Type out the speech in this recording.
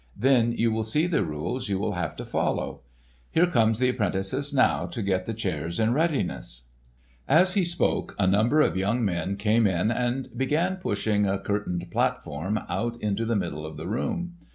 Then you will see the rules you will have to follow. Here come the 'prentices now to get the chairs in readiness." As he spoke a number of young men came in and began pushing a curtained platform out into the middle of the room.